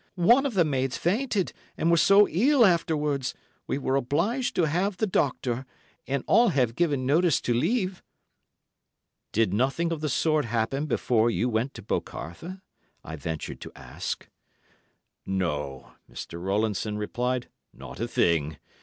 One of the maids fainted, and was so ill afterwards, we were obliged to have the doctor, and all have given notice to leave." "Did nothing of the sort happen before you went to 'Bocarthe'?" I ventured to ask. "No," Mr. Rowlandson replied, "not a thing.